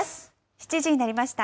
７時になりました。